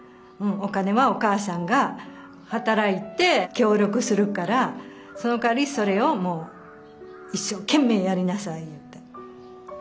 お金はお母さんが働いて協力するからそのかわりそれをもう一生懸命やりなさいって。